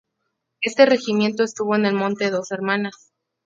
Este Regimiento estuvo en el monte Dos Hermanas.